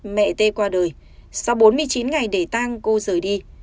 mẹ tê qua đời sau bốn mươi chín ngày để tang cô rời đi